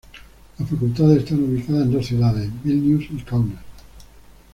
Las facultades están ubicadas en dos ciudades:Vilnius y Kaunas.